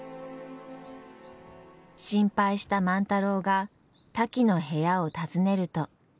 心配した万太郎がタキの部屋を訪ねると。